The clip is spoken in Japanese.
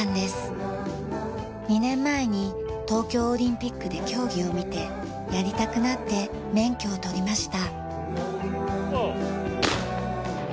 ２年前に東京オリンピックで競技を見てやりたくなって免許を取りました。